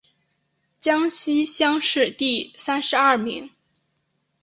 江西乡试第三十二名。